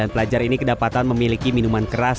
sembilan pelajar ini kedapatan memiliki minuman keras